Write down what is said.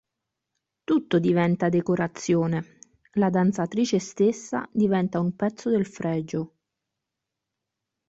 Tutto diventa decorazione: la danzatrice stessa diventa un pezzo del fregio.